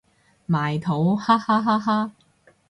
埋土哈哈哈哈